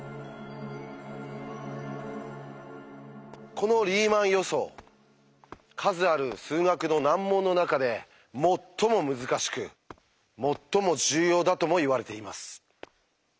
この「リーマン予想」数ある数学の難問の中で最も難しく最も重要だともいわれています。